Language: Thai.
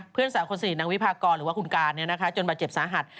เพื่อนสาวคนสนิทนางวิพากรหรือว่าคุณการจนบาดเจ็บสาหัส